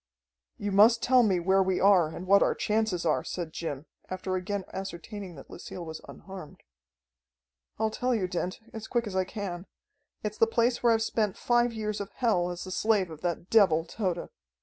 "You must tell me where we are and what our chances are," said Jim, after again ascertaining that Lucille was unharmed. "I'll tell you, Dent, as quick as I can. It's the place where I've spent five years of hell as the slave of that devil, Tode.